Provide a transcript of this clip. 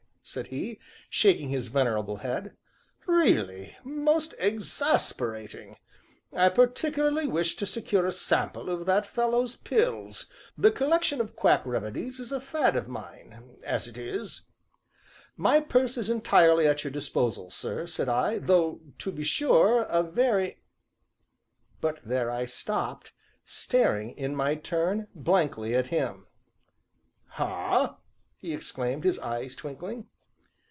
said he, shaking his venerable head, "really most exasperating I particularly wished to secure a sample of that fellow's pills the collection of quack remedies is a fad of mine as it is " "My purse is entirely at your disposal, sir," said I, "though, to be sure, a very " But there I stopped, staring, in my turn, blankly at him. "Ha?" he exclaimed, his eyes twinkling.